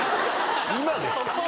今ですか？